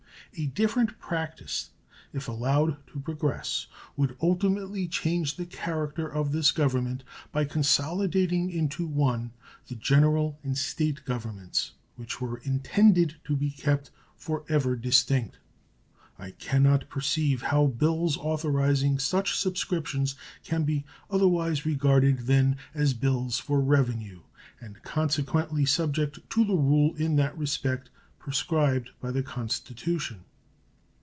A different practice, if allowed to progress, would ultimately change the character of this Government by consolidating into one the General and State Governments, which were intended to be kept for ever distinct. I can not perceive how bills authorizing such subscriptions can be otherwise regarded than as bills for revenue, and consequently subject to the rule in that respect prescribed by the Constitution.